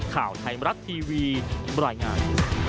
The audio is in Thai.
ข่าวไทยมรัฐทีวีบรรยายงาน